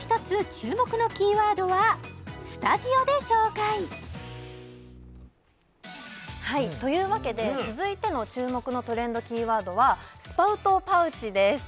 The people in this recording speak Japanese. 注目のキーワードはスタジオで紹介はいというわけで続いての注目のトレンドキーワードはスパウトパウチです